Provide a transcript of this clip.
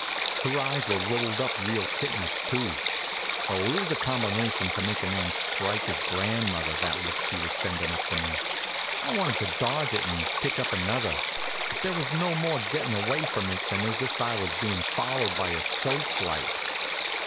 Her eyes were rolled up real kittenish, too. Oh, it was a combination to make a man strike his grandmother, that look she was sendin' up to me. I wanted to dodge it and pick up another, but there was no more gettin' away from it than as if I was bein' followed by a search light.